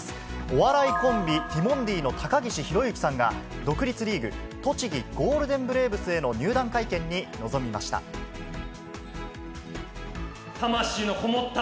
お笑いコンビ、ティモンディの高岸宏行さんが、独立リーグ、栃木ゴールデンブレーブスへの入団会見に臨みました。